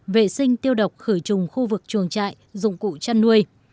vệ sinh tiêu độc khử trùng khu vực chuồng trại dụng cụ chăn nuôi